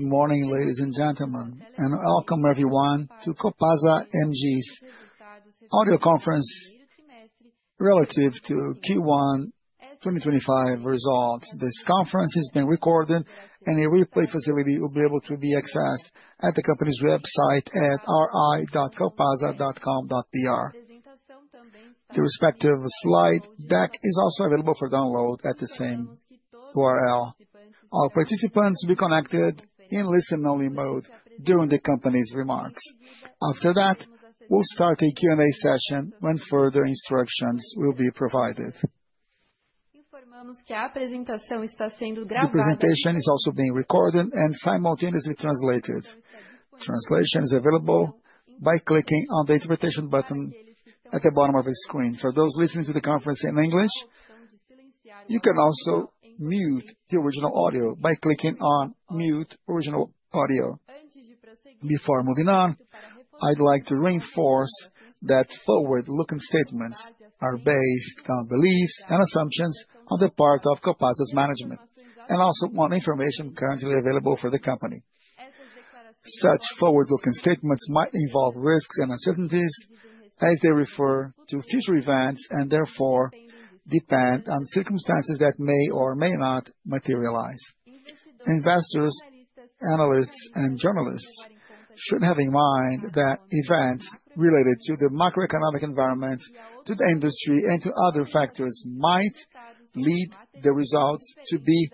Good morning, ladies and gentlemen, and welcome everyone to Copasa MG's audio conference relative to Q1 2025 results. This conference is being recorded, and a replay facility will be able to be accessed at the company's website at ri.copasa.com.br. The respective slide deck is also available for download at the same URL. All participants will be connected in listen-only mode during the company's remarks. After that, we'll start a Q&A session when further instructions will be provided. The presentation is also being recorded and simultaneously translated. Translation is available by clicking on the interpretation button at the bottom of the screen. For those listening to the conference in English, you can also mute the original audio by clicking on mute original audio. Before moving on, I'd like to reinforce that forward-looking statements are based on beliefs and assumptions on the part of Copasa's management and also on information currently available for the company. Such forward-looking statements might involve risks and uncertainties as they refer to future events and therefore depend on circumstances that may or may not materialize. Investors, analysts, and journalists should have in mind that events related to the macroeconomic environment, to the industry, and to other factors might lead the results to be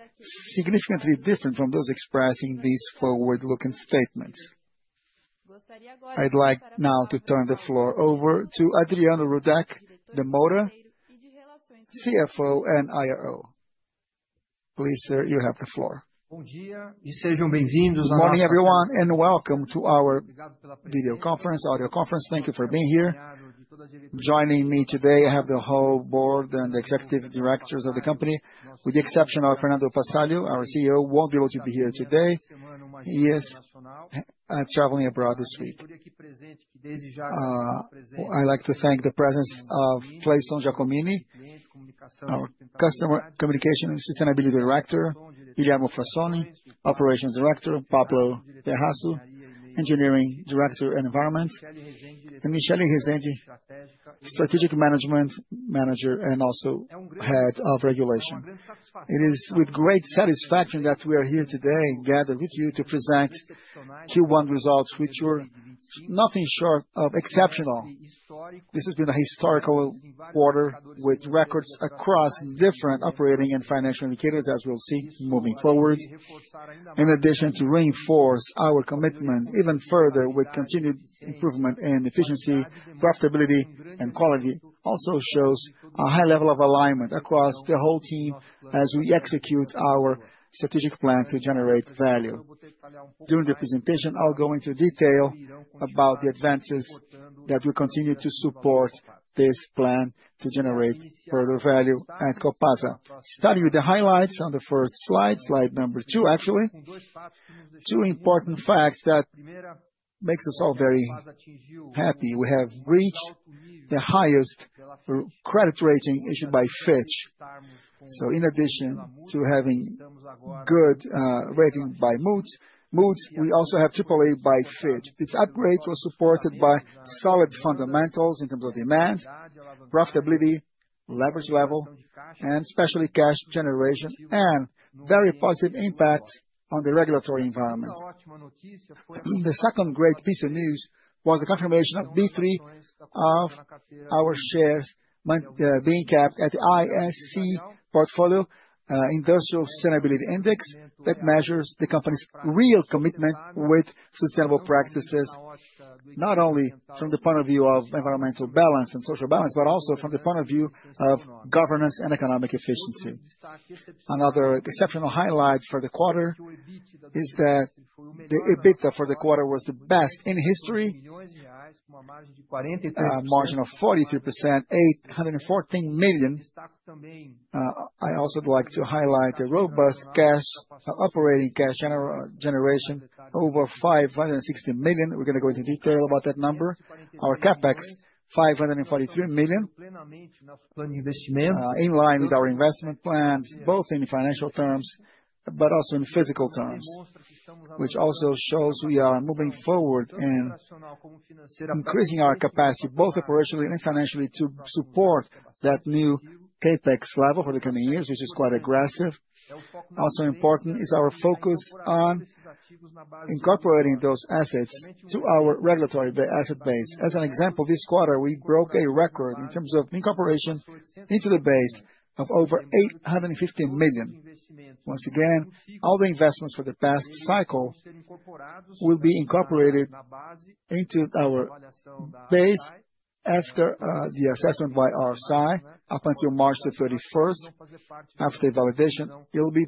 significantly different from those expressed in these forward-looking statements. I'd like now to turn the floor over to Adriano Rudek De Moura, CFO and IRO. Please, sir, you have the floor. Good morning, everyone, and welcome to our video conference, audio conference. Thank you for being here. Joining me today, I have the whole board and the executive directors of the company. With the exception of Fernando Passalio, our CEO, who will not be able to be here today. He is traveling abroad this week. I would like to thank the presence of Cleyson Jacomini, our Customer Communication and Sustainability Director, Guilherme Frasson, Operations Director, Pablo Terrazzo, Engineering Director and Environment, and Michelle Resende, Strategic Management Manager and also Head of Regulation. It is with great satisfaction that we are here today gathered with you to present Q1 results which were nothing short of exceptional. This has been a historical quarter with records across different operating and financial indicators, as we will see moving forward. In addition to reinforce our commitment even further with continued improvement in efficiency, profitability, and quality, it also shows a high level of alignment across the whole team as we execute our strategic plan to generate value. During the presentation, I'll go into detail about the advances that we continue to support this plan to generate further value at Copasa. Starting with the highlights on the first slide, slide number two, actually, two important facts that make us all very happy. We have reached the highest credit rating issued by Fitch. In addition to having good rating by Moody's, we also have AAA by Fitch. This upgrade was supported by solid fundamentals in terms of demand, profitability, leverage level, and especially cash generation, and very positive impact on the regulatory environment. The second great piece of news was the confirmation by B3 of our shares being capped at the ISE portfolio, Industrial Sustainability Index, that measures the company's real commitment with sustainable practices, not only from the point of view of environmental balance and social balance, but also from the point of view of governance and economic efficiency. Another exceptional highlight for the quarter is that the EBITDA for the quarter was the best in history, a margin of 43%, 814 million. I also would like to highlight a robust cash operating cash generation over 560 million. We're going to go into detail about that number. Our CapEx, 543 million, in line with our investment plans, both in financial terms but also in physical terms, which also shows we are moving forward in increasing our capacity, both operationally and financially, to support that new CapEx level for the coming years, which is quite aggressive. Also important is our focus on incorporating those assets to our regulatory asset base. As an example, this quarter, we broke a record in terms of incorporation into the base of over 850 million. Once again, all the investments for the past cycle will be incorporated into our base after the assessment by RSI up until March the 31st. After validation, it will be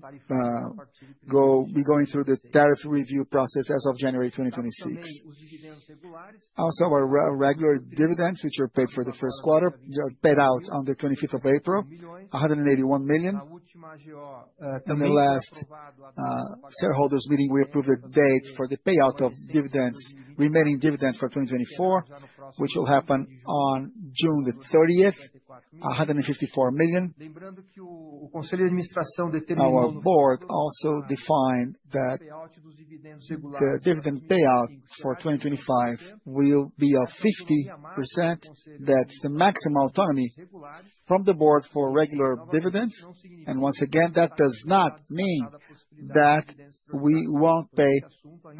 going through the tariff review process as of January 2026. Also, our regular dividends, which were paid for the first quarter, paid out on the 25th of April, 181 million. In the last shareholders' meeting, we approved a date for the payout of remaining dividends for 2024, which will happen on June the 30th, 154 million. Our board also defined that the dividend payout for 2025 will be of 50%. That is the maximum autonomy from the board for regular dividends. Once again, that does not mean that we will not pay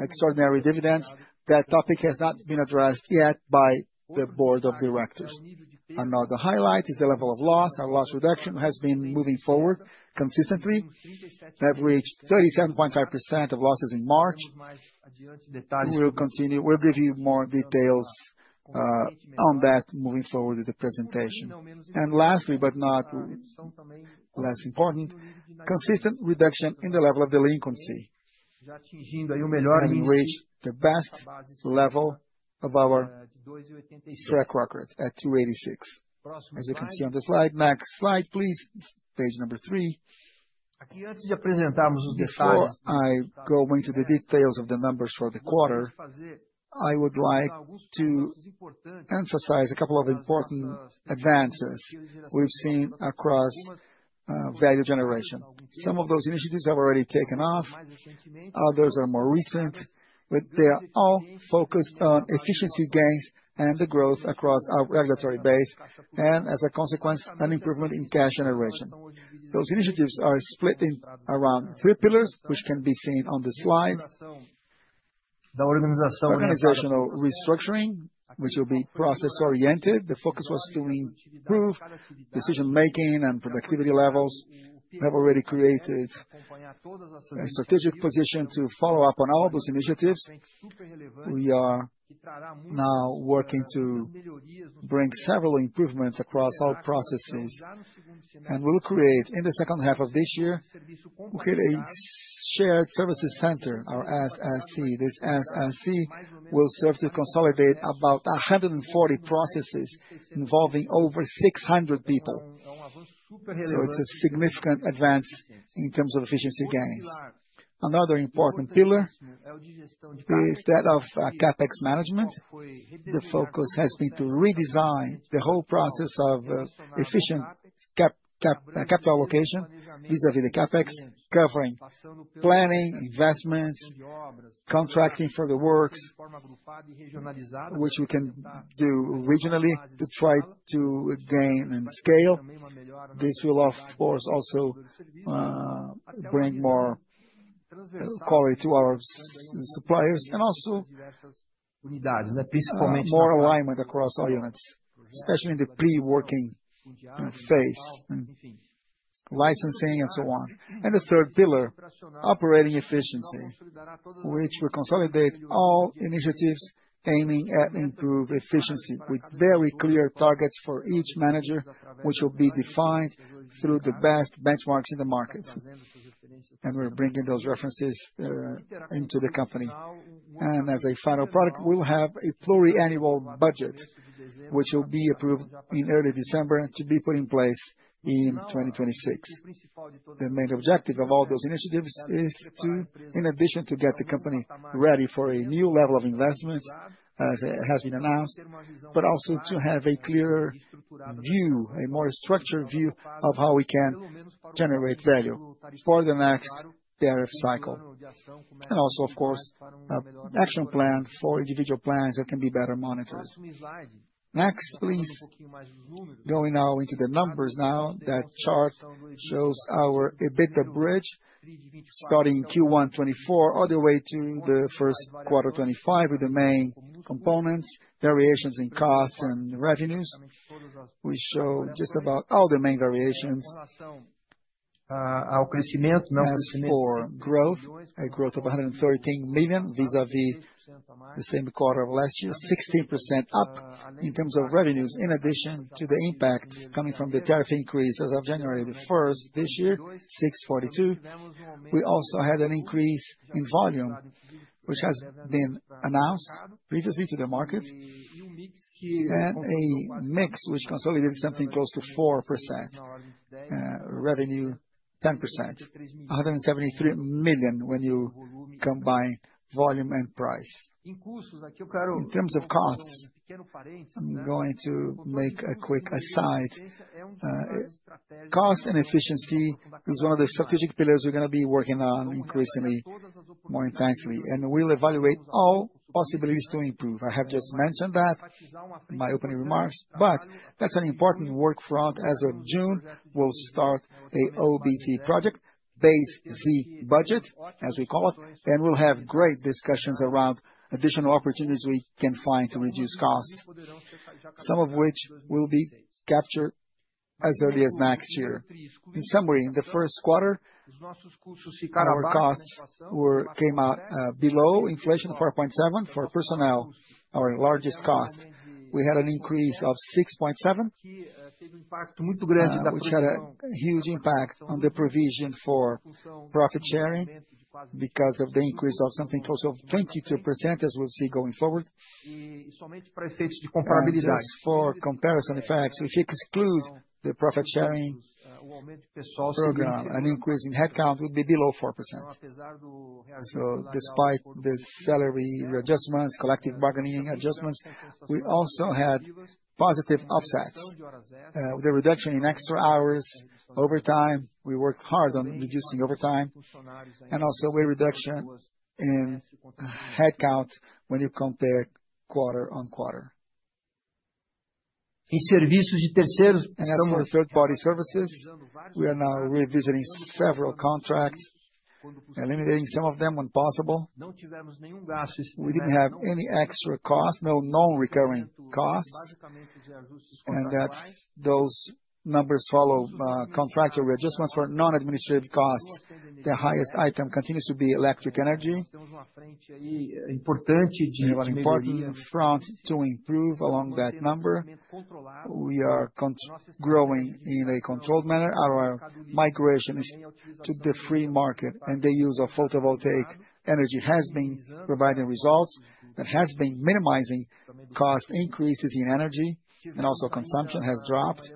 extraordinary dividends. That topic has not been addressed yet by the board of directors. Another highlight is the level of loss. Our loss reduction has been moving forward consistently. We have reached 37.5% of losses in March. We will give you more details on that moving forward with the presentation. Lastly, but not less important, consistent reduction in the level of delinquency, which reached the best level of our track record at 2.86%. As you can see on the slide, next slide, please, page number three. Before I go into the details of the numbers for the quarter, I would like to emphasize a couple of important advances we've seen across value generation. Some of those initiatives have already taken off. Others are more recent, but they are all focused on efficiency gains and the growth across our regulatory base, and as a consequence, an improvement in cash generation. Those initiatives are split around three pillars, which can be seen on the slide. Organizational restructuring, which will be process-oriented. The focus was to improve decision-making and productivity levels. We have already created a strategic position to follow up on all those initiatives. We are now working to bring several improvements across all processes, and we'll create, in the second half of this year, a shared services center, our SSC. This SSC will serve to consolidate about 140 processes involving over 600 people. It is a significant advance in terms of efficiency gains. Another important pillar is that of CapEx management. The focus has been to redesign the whole process of efficient capital allocation vis-à-vis the CapEx covering planning, investments, contracting for the works, which we can do regionally to try to gain and scale. This will, of course, also bring more quality to our suppliers and also more alignment across all units, especially in the pre-working phase, licensing, and so on. The third pillar, operating efficiency, will consolidate all initiatives aiming at improved efficiency with very clear targets for each manager, which will be defined through the best benchmarks in the market. We are bringing those references into the company. As a final product, we will have a pluriannual budget, which will be approved in early December to be put in place in 2026. The main objective of all those initiatives is, in addition to get the company ready for a new level of investments, as it has been announced, but also to have a clearer view, a more structured view of how we can generate value for the next tariff cycle. Also, of course, an action plan for individual plans that can be better monitored. Next, please, going now into the numbers now, that chart shows our EBITDA bridge starting Q1 2024 all the way to the first quarter 2025 with the main components, variations in costs and revenues. We show just about all the main variations. For growth, a growth of 113 million vis-à-vis the same quarter of last year, 16% up in terms of revenues, in addition to the impact coming from the tariff increase as of January 1 this year, 642 million. We also had an increase in volume, which has been announced previously to the market, and a mix which consolidated something close to 4% revenue, 10%, 173 million when you combine volume and price. In terms of costs, I'm going to make a quick aside. Cost and efficiency is one of the strategic pillars we're going to be working on increasingly more intensely, and we'll evaluate all possibilities to improve. I have just mentioned that in my opening remarks, but that's an important work front. As of June, we'll start an OBZ project, base Z budget, as we call it, and we'll have great discussions around additional opportunities we can find to reduce costs, some of which will be captured as early as next year. In summary, in the first quarter, our costs came out below inflation, 4.7% for personnel, our largest cost. We had an increase of 6.7%, which had a huge impact on the provision for profit sharing because of the increase of something close to 22%, as we'll see going forward. For comparison, in fact, if we exclude the profit sharing program, an increase in headcount would be below 4%. Despite the salary adjustments, collective bargaining adjustments, we also had positive offsets. The reduction in extra hours, overtime, we worked hard on reducing overtime, and also a reduction in headcount when you compare quarter on quarter. Some of the third-party services. We are now revisiting several contracts, eliminating some of them when possible. We did not have any extra costs, no known recurring costs. Those numbers follow contractual adjustments for non-administrative costs. The highest item continues to be electric energy. It is important to improve along that number. We are growing in a controlled manner. Our migration to the free market and the use of photovoltaic energy has been providing results. That has been minimizing cost increases in energy, and also consumption has dropped.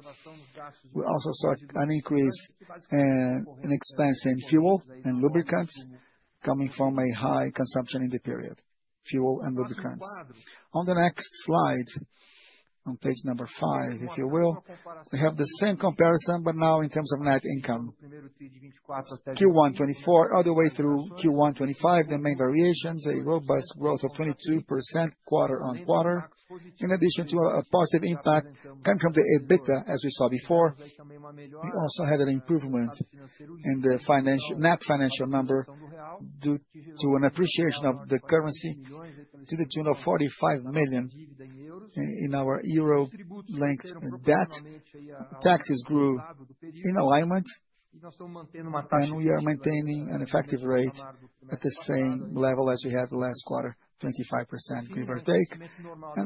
We also saw an increase in expense in fuel and lubricants coming from a high consumption in the period, fuel and lubricants. On the next slide, on page number five, if you will, we have the same comparison, but now in terms of net income. Q1 2024 all the way through Q1 2025, the main variations, a robust growth of 22% quarter-on-quarter. In addition to a positive impact coming from the EBITDA, as we saw before, we also had an improvement in the net financial number due to an appreciation of the currency to the tune of 45 million in our Euro linked debt. Taxes grew in alignment, and we are maintaining an effective rate at the same level as we had last quarter, 25% give or take.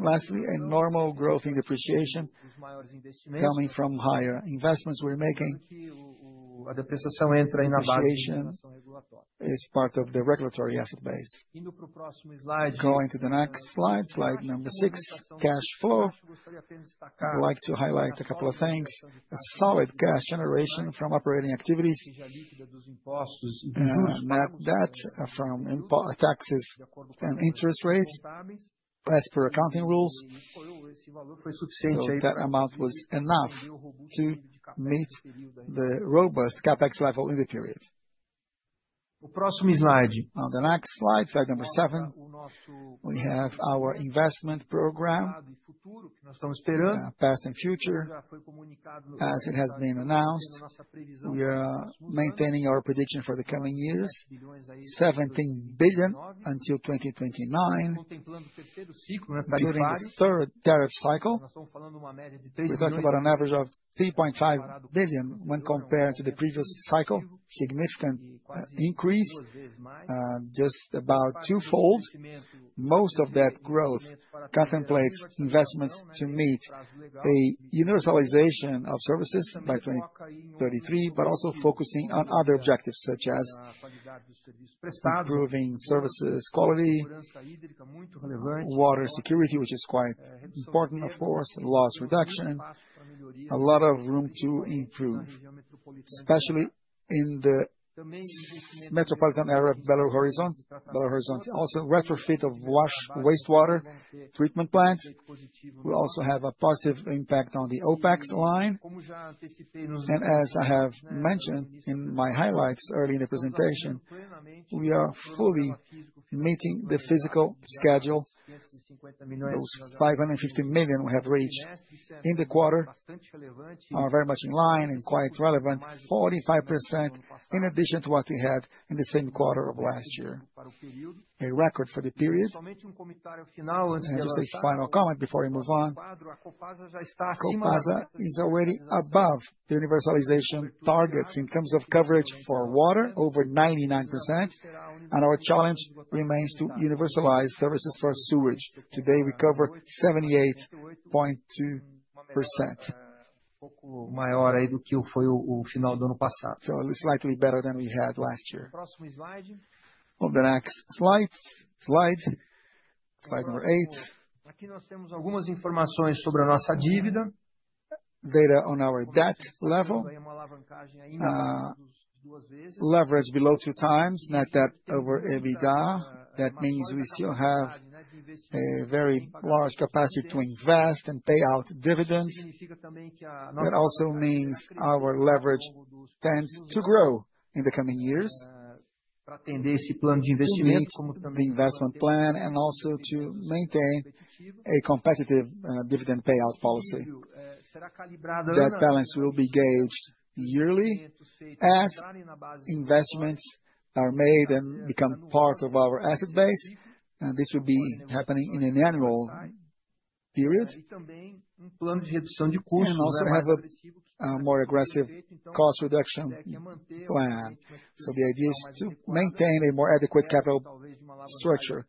Lastly, a normal growth in depreciation coming from higher investments we are making. Depreciation is part of the regulatory asset base. Going to the next slide, slide number six, cash flow. I would like to highlight a couple of things. A solid cash generation from operating activities, net debt from taxes and interest rates, as per accounting rules. That amount was enough to meet the robust CapEx level in the period. On the next slide, slide number seven, we have our investment program, past and future, as it has been announced. We are maintaining our prediction for the coming years, 17 billion until 2029. During the third tariff cycle, we are talking about an average of 3.5 billion when compared to the previous cycle. Significant increase, just about twofold. Most of that growth contemplates investments to meet a universalization of services by 2033, but also focusing on other objectives, such as improving services quality, water security, which is quite important, of course, loss reduction. A lot of room to improve, especially in the metropolitan area of Belo Horizonte. Belo Horizonte also retrofit of wastewater treatment plants. We also have a positive impact on the OPEX line. As I have mentioned in my highlights early in the presentation, we are fully meeting the physical schedule. Those 550 million we have reached in the quarter are very much in line and quite relevant. 45% in addition to what we had in the same quarter of last year. A record for the period. Just a final comment before we move on. Copasa is already above the universalization targets in terms of coverage for water, over 99%. Our challenge remains to universalize services for sewage. Today, we cover 78.2%, slightly better than we had last year. On the next slide, slide number eight. Data on our debt level. Leverage below two times, net debt over EBITDA. That means we still have a very large capacity to invest and pay out dividends. That also means our leverage tends to grow in the coming years. The investment plan and also to maintain a competitive dividend payout policy. That balance will be gauged yearly as investments are made and become part of our asset base. This will be happening in an annual period. And also have a more aggressive cost reduction plan. The idea is to maintain a more adequate capital structure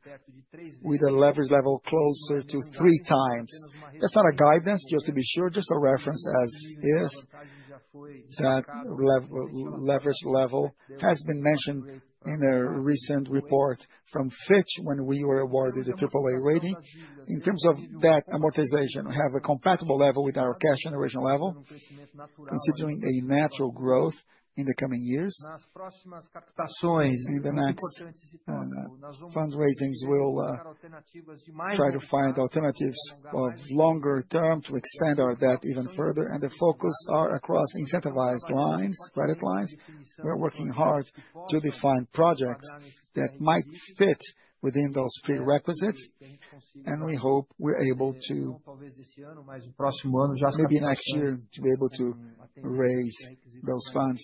with a leverage level closer to three times. That is not a guidance, just to be sure, just a reference as is. That leverage level has been mentioned in a recent report from Fitch when we were awarded the AAA rating. In terms of that amortization, we have a compatible level with our cash generation level, considering a natural growth in the coming years. In the next fundraisings, we will try to find alternatives of longer term to extend our debt even further. The focus is across incentivized lines, credit lines. We are working hard to define projects that might fit within those prerequisites. We hope we are able to, maybe next year, be able to raise those funds,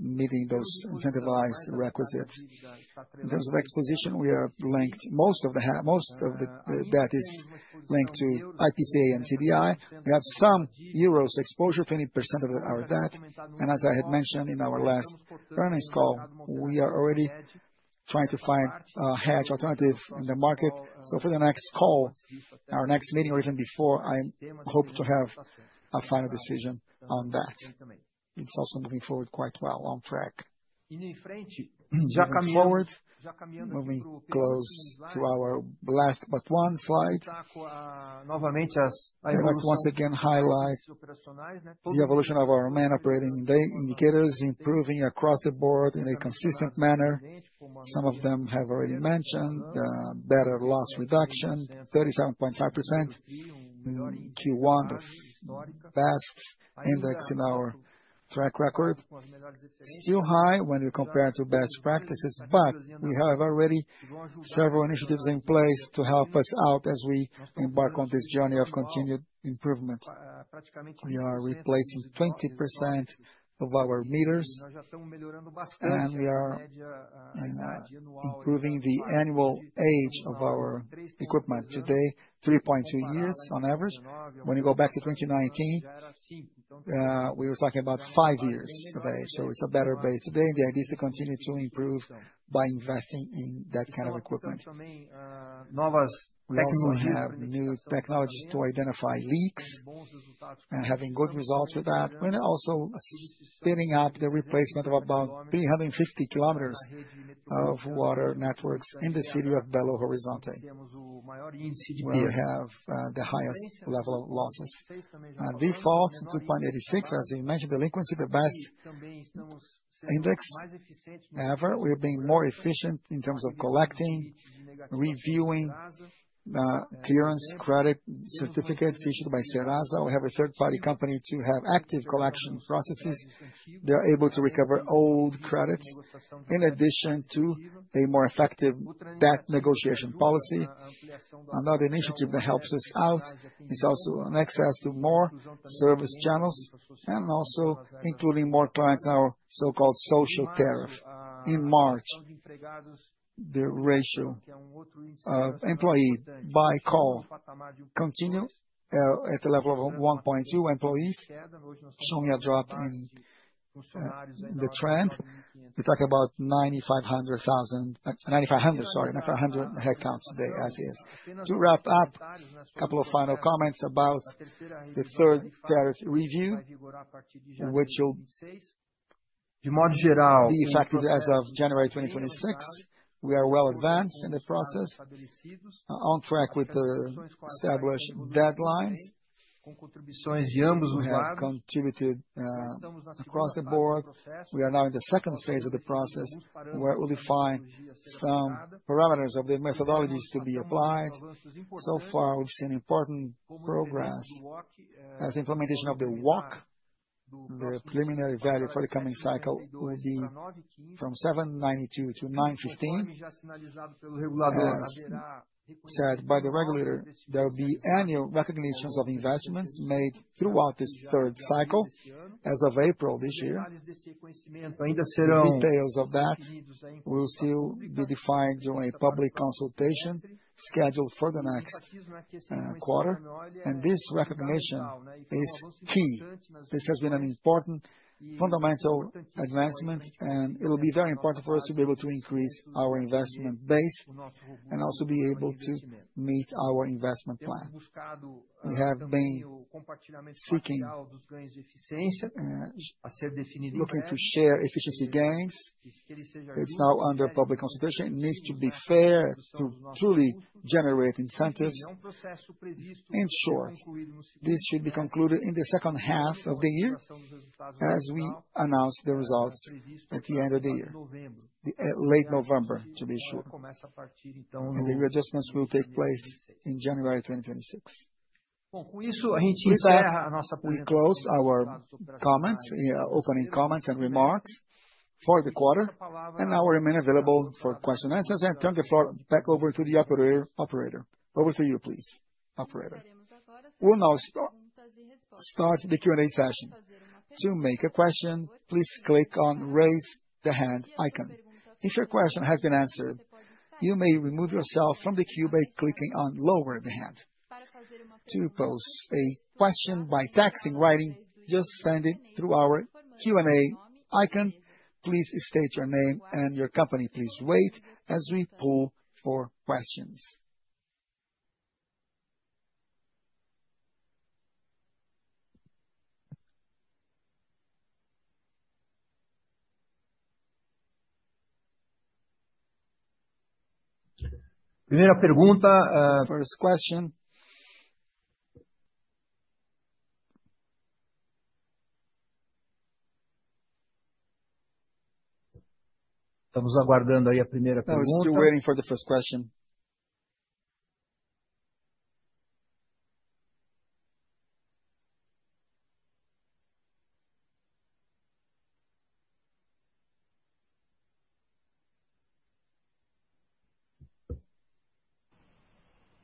meeting those incentivized requisites. In terms of exposition, we have linked most of the debt is linked to IPCA and CDI. We have some euros exposure, 20% of our debt. As I had mentioned in our last earnings call, we are already trying to find a hedge alternative in the market. For the next call, our next meeting, or even before, I hope to have a final decision on that. It is also moving forward quite well on track. Moving close to our last but one slide. I would like to once again highlight the evolution of our main operating indicators, improving across the board in a consistent manner. Some of them have already mentioned better loss reduction, 37.5% in Q1, the best index in our track record. Still high when we compare to best practices, but we have already several initiatives in place to help us out as we embark on this journey of continued improvement. We are replacing 20% of our meters, and we are improving the annual age of our equipment. Today, 3.2 years on average. When you go back to 2019, we were talking about five years of age. It is a better base today. The idea is to continue to improve by investing in that kind of equipment. We have new technologies to identify leaks and having good results with that, when also spinning up the replacement of about 350 km of water networks in the city of Belo Horizonte. We have the highest level of losses. Default 2.86%, as we mentioned, delinquency, the best index ever. We are being more efficient in terms of collecting, reviewing clearance credit certificates issued by Serasa. We have a third-party company to have active collection processes. They are able to recover old credits in addition to a more effective debt negotiation policy. Another initiative that helps us out is also an access to more service channels and also including more clients in our so-called social tariff. In March, the ratio of employee by call continued at the level of 1.2 employees, showing a drop in the trend. We talk about 9,500,000. 9,500, sorry, 9,500 headcount today, as is. To wrap up, a couple of final comments about the third tariff review, which will be effective as of January 2026. We are well advanced in the process, on track with the established deadlines. We have contributed across the board. We are now in the second phase of the process where we'll define some parameters of the methodologies to be applied. So far, we've seen important progress as the implementation of the WACC. The preliminary value for the coming cycle will be from 7.92% to 9.15%. Said by the regulator, there will be annual recognitions of investments made throughout this third cycle as of April this year. Details of that will still be defined during a public consultation scheduled for the next quarter. This recognition is key. This has been an important fundamental advancement, and it will be very important for us to be able to increase our investment base and also be able to meet our investment plan. We have been looking to share efficiency gains. It's now under public consultation. It needs to be fair to truly generate incentives. In short, this should be concluded in the second half of the year as we announce the results at the end of the year, late November, to be sure. The readjustments will take place in January 2026. We close our comments, opening comments and remarks for the quarter, and now we remain available for question answers and turn the floor back over to the operator. Over to you, please, operator. Start the Q&A session. To make a question, please click on the raise the hand icon. If your question has been answered, you may remove yourself from the queue by clicking on lower the hand. To post a question by texting, writing, just send it through our Q&A icon. Please state your name and your company. Please wait as we pull for questions. First question. I'm still waiting for the first question.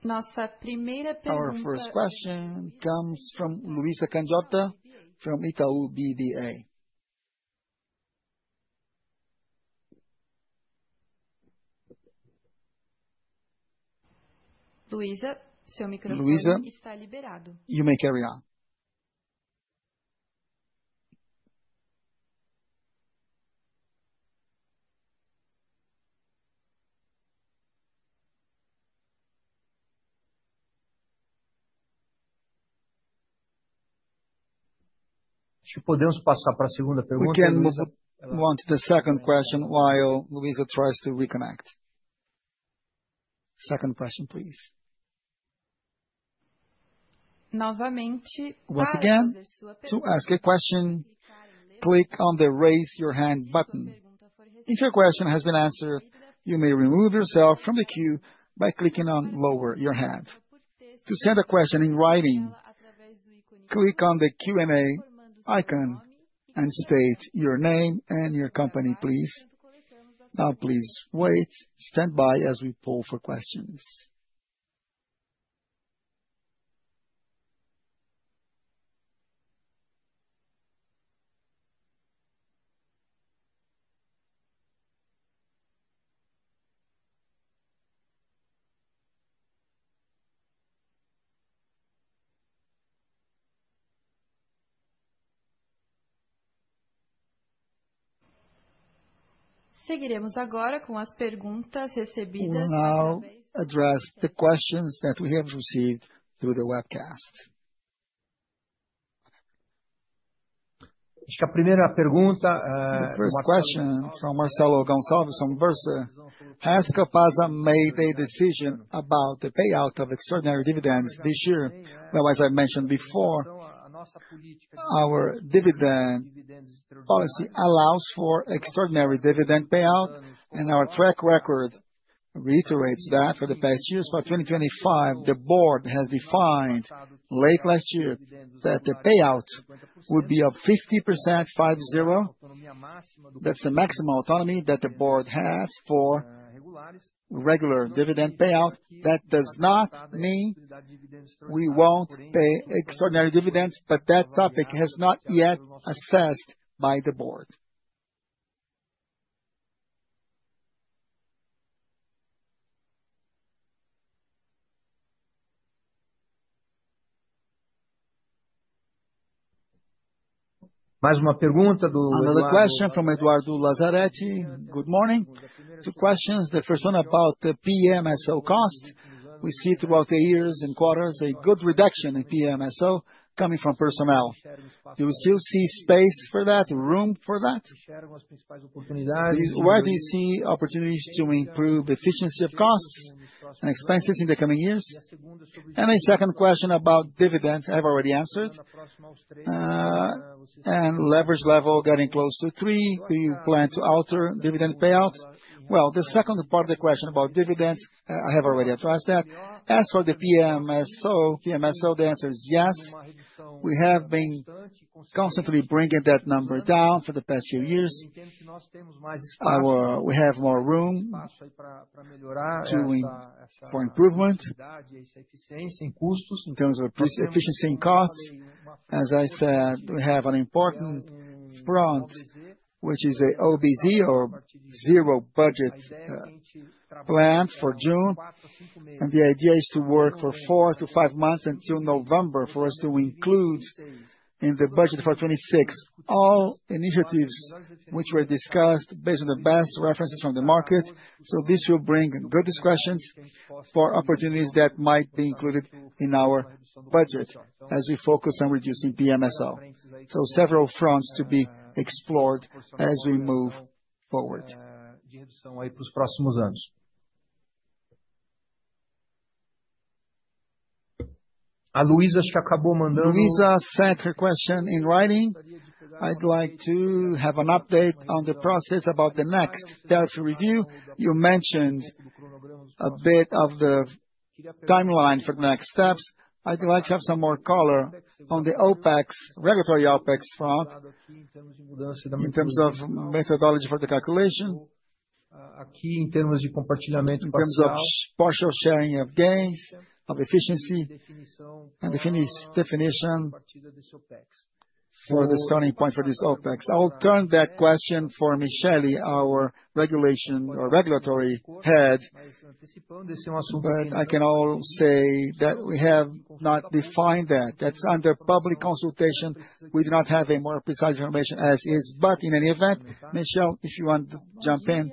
Our first question comes from Luiza Candiota from Itaú BBA. Luiza, you may carry on. We can want the second question while Luiza tries to reconnect. Second question, please. Once again, to ask a question, click on the raise your hand button. If your question has been answered, you may remove yourself from the queue by clicking on lower your hand. To send a question in writing, click on the Q&A icon and state your name and your company, please. Now, please wait, stand by as we pull for questions. Now, address the questions that we have received through the webcast. The first question, from Marcelo Goncalves, from Versa, asks Copasa made a decision about the payout of extraordinary dividends this year. Now, as I mentioned before, our dividend policy allows for extraordinary dividend payout, and our track record reiterates that for the past years. For 2025, the board has defined late last year that the payout would be of 50%, 5-0. That's the maximum autonomy that the board has for regular dividend payout. That does not mean that we won't pay extraordinary dividends, but that topic has not yet assessed by the board. The first one about the PMSO cost. We see throughout the years and quarters a good reduction in PMSO coming from personnel. Do you still see space for that, room for that? Where do you see opportunities to improve efficiency of costs and expenses in the coming years? A second question about dividends. I have already answered. Leverage level getting close to three. Do you plan to alter dividend payout? The second part of the question about dividends, I have already addressed that. As for the PMSO, the answer is yes. We have been constantly bringing that number down for the past few years. We have more room for improvement in terms of efficiency and costs. As I said, we have an important front, which is an OBZ or zero budget plan for June. The idea is to work for four to five months until November for us to include in the budget for 2026 all initiatives which were discussed based on the best references from the market. This will bring good discussions for opportunities that might be included in our budget as we focus on reducing PMSO. Several fronts to be explored as we move forward. Luiza sent her question in writing. I'd like to have an update on the process about the next tariff review. You mentioned a bit of the timeline for the next steps. I'd like to have some more color on the OpEx, regulatory OpEx front, in terms of methodology for the calculation. In terms of partial sharing of gains, of efficiency, and definition for the starting point for this OpEx. I will turn that question for Michelle, our regulation or regulatory head. I can also say that we have not defined that. That's under public consultation. We do not have more precise information as is. In any event, Michelle, if you want to jump in.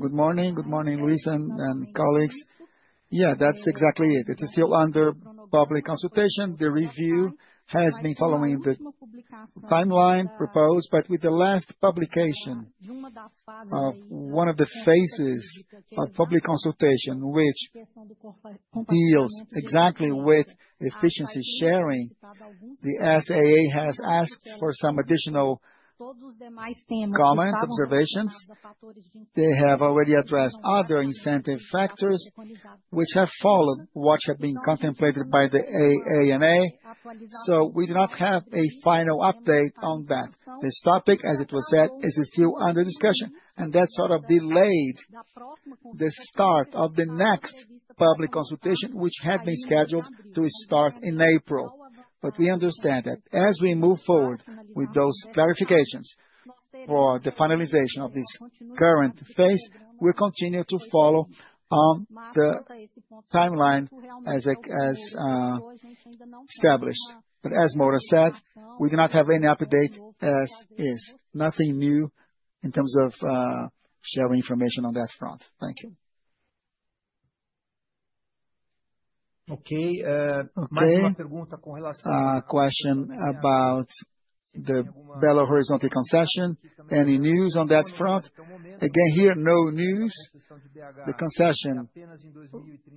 Good morning. Good morning, Luiza and colleagues. Yeah, that's exactly it. It's still under public consultation. The review has been following the timeline proposed, but with the last publication of one of the phases of public consultation, which deals exactly with efficiency sharing. The SAA has asked for some additional comments, observations. They have already addressed other incentive factors which have followed, which have been contemplated by the ANA. We do not have a final update on that. This topic, as it was said, is still under discussion, and that sort of delayed the start of the next public consultation, which had been scheduled to start in April. We understand that as we move forward with those clarifications for the finalization of this current phase, we'll continue to follow on the timeline as established. As Moura said, we do not have any update as is. Nothing new in terms of sharing information on that front. Thank you. Question about the Belo Horizonte concession. Any news on that front? Again here, no news. The concession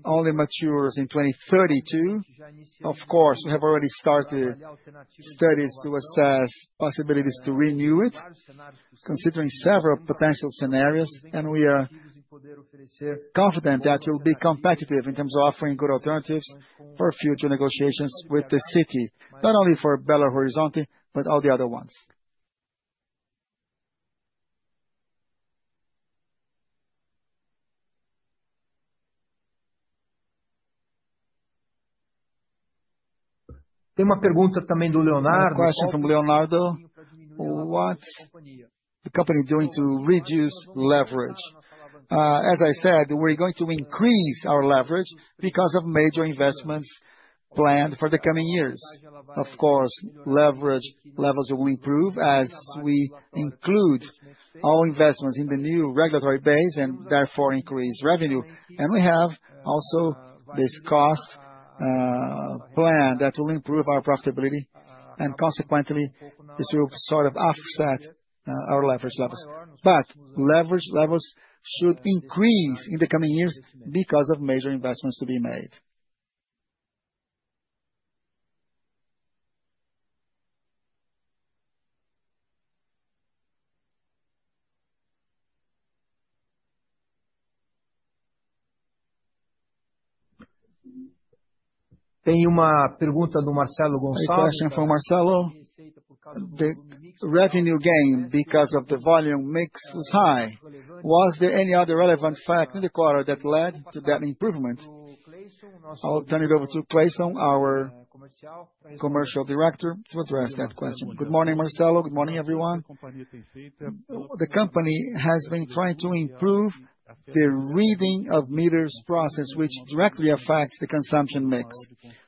only matures in 2032. Of course, we have already started studies to assess possibilities to renew it, considering several potential scenarios, and we are confident that we'll be competitive in terms of offering good alternatives for future negotiations with the city, not only for Belo Horizonte, but all the other ones. Question from Leonardo. What's the company doing to reduce leverage? As I said, we're going to increase our leverage because of major investments planned for the coming years. Of course, leverage levels will improve as we include all investments in the new regulatory base and therefore increase revenue. We have also this cost plan that will improve our profitability, and consequently, this will sort of offset our leverage levels. Leverage levels should increase in the coming years because of major investments to be made. Question from Marcelo. The revenue gain because of the volume mix is high. Was there any other relevant fact in the quarter that led to that improvement? I'll turn it over to Cleyson, our Commercial Director, to address that question. Good morning, Marcelo. Good morning, everyone. The company has been trying to improve the reading of meters process, which directly affects the consumption mix.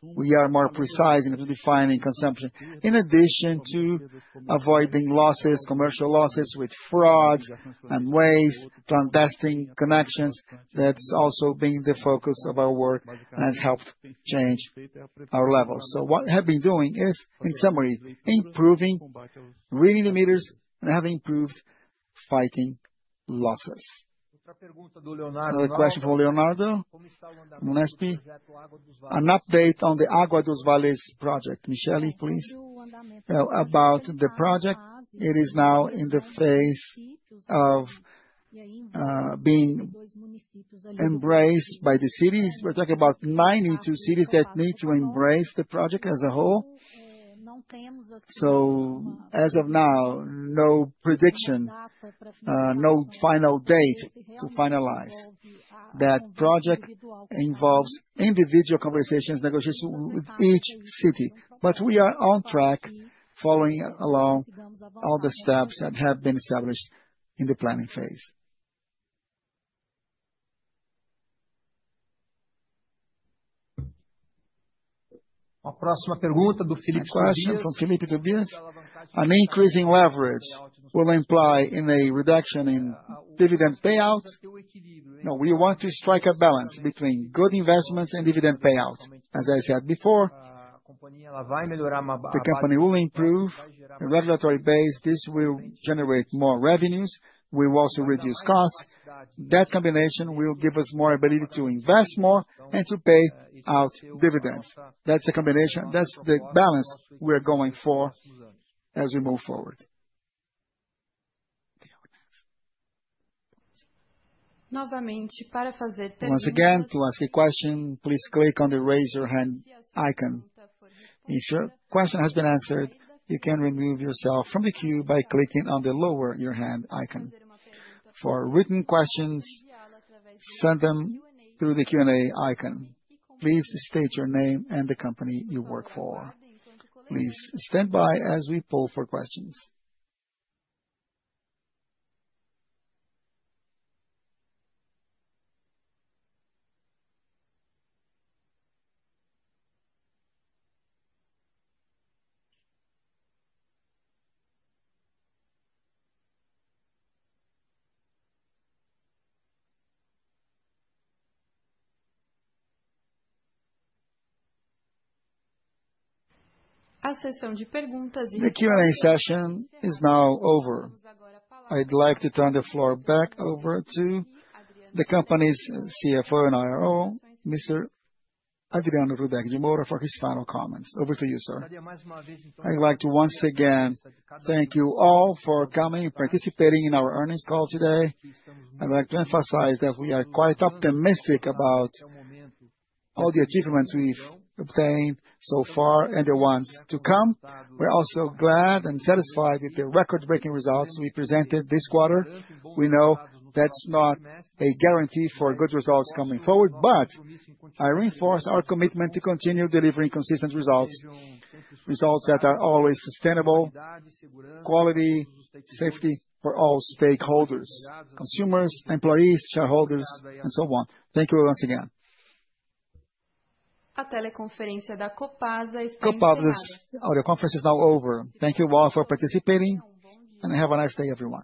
We are more precise in defining consumption, in addition to avoiding losses, commercial losses with frauds and waste, clandestine connections. That's also been the focus of our work and has helped change our levels. So what we have been doing is, in summary, improving reading the meters and having improved fighting losses. Another question from Leonardo. An update on the Água dos Vales project. Michelle, please. About the project, it is now in the phase of being embraced by the cities. We're talking about 92 cities that need to embrace the project as a whole. As of now, no prediction, no final date to finalize. That project involves individual conversations, negotiations with each city, but we are on track following along all the steps that have been established in the planning phase. Any increase in leverage will imply a reduction in dividend payout? No, we want to strike a balance between good investments and dividend payout. As I said before, the company will improve the regulatory base. This will generate more revenues. We will also reduce costs. That combination will give us more ability to invest more and to pay out dividends. That's the combination. That's the balance we're going for as we move forward. Once again, to ask a question, please click on the raise your hand icon. If your question has been answered, you can remove yourself from the queue by clicking on the lower your hand icon. For written questions, send them through the Q&A icon. Please state your name and the company you work for. Please stand by as we pull for questions. The Q&A session is now over. I'd like to turn the floor back over to the company's CFO and IRO, Mr. Adriano Rudek de Moura, for his final comments. Over to you, sir. I'd like to once again thank you all for coming and participating in our earnings call today. I'd like to emphasize that we are quite optimistic about all the achievements we've obtained so far and the ones to come. We're also glad and satisfied with the record-breaking results we presented this quarter. We know that's not a guarantee for good results coming forward, but I reinforce our commitment to continue delivering consistent results, results that are always sustainable, quality, safety for all stakeholders: consumers, employees, shareholders, and so on. Thank you once again. Copasa's audio conference is now over. Thank you all for participating, and have a nice day everyone.